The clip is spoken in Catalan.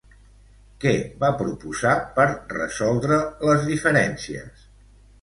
Què va proposar per resoldre les diferències?